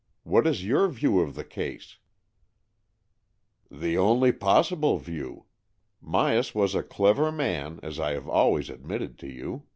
What is your view of the case ?"" The only possible view. Myas was a clever man, as I have always admitted to you.